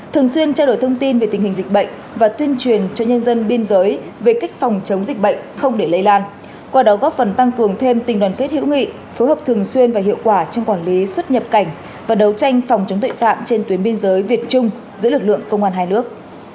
thường xuyên trao đổi thông tin về tình hình dịch bệnh và tuyên truyền cho nhân dân biên giới về cách phòng chống dịch bệnh không để lây lan qua đó góp phần tăng cường thêm tình đoàn kết hữu nghị phối hợp thường xuyên và hiệu quả trong quản lý xuất nhập cảnh và đấu tranh phòng chống tội phạm trên tuyến biên giới việt trung giữa lực lượng công an hai nước